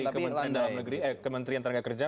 kita ada datanya dari kementerian ternaga kerja